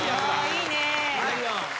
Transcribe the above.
いいね。